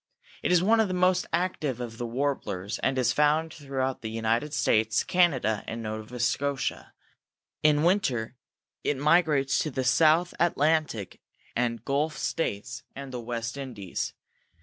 It is one of the most active of the warblers and is found throughout the United States, Canada, and Nova Scotia; in winter it migrates to the South Atlantic and Gulf States and the West Indies.